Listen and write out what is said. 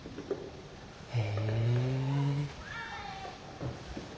へえ。